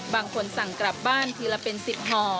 บางคนสั่งกลับบ้านทีละเป็น๑๐ห่อ